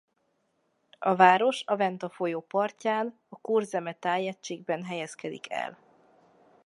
A város a Venta folyó partján a Kurzeme tájegységében helyezkedik el.